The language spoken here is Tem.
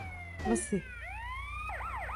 Misi.